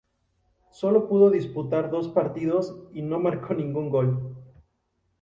Solo pudo disputar dos partidos y no marcó ningún gol.